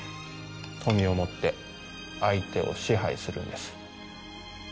富をもって相手を支配するんです。